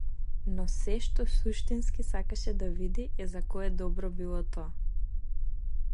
Но сѐ што суштински сакаше да види е за кое добро било тоа.